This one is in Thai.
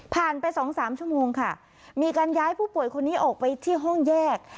ไปสองสามชั่วโมงค่ะมีการย้ายผู้ป่วยคนนี้ออกไปที่ห้องแยก